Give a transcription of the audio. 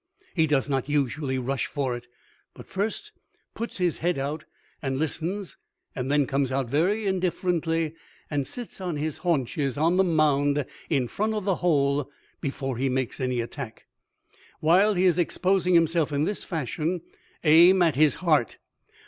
He does not usually rush for it, but first puts his head out and listens and then comes out very indifferently and sits on his haunches on the mound in front of the hole before he makes any attack. While he is exposing himself in this fashion, aim at his heart.